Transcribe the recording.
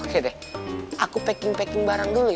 oke deh aku packing packing barang dulu